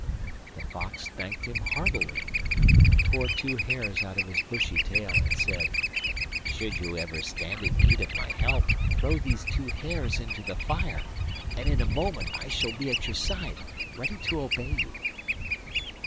The fox thanked him heartily, tore two hairs out of his bushy tail, and said: 'Should you ever stand in need of my help throw these two hairs into the fire, and in a moment I shall be at your side ready to obey you.